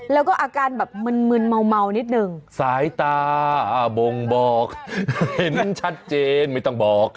แล้วก็อาการแบบมึนมึนเมานิดนึงสายตาบ่งบอกเห็นชัดเจนไม่ต้องบอก